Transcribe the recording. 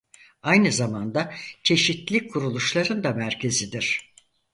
Aynı zamanda çeşitli kuruluşların da merkezidir.